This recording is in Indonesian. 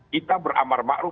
kita beramar makruf